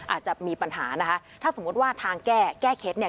อาจจะมีปัญหานะคะถ้าสมมุติว่าทางแก้แก้เคล็ดเนี่ย